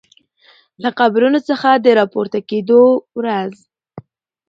له قبرونو څخه د راپورته کیدو ورځ